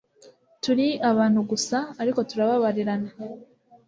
turi abantu gusa, ariko turababarirana